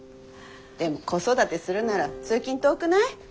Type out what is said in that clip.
でも子育てするなら通勤遠くない？